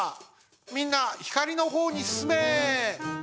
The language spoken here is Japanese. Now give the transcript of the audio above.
みんなひかりのほうにすすめ！